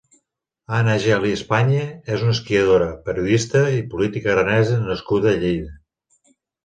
Anna Geli España és una esquiadora, periodista i política aranesa nascuda a Lleida.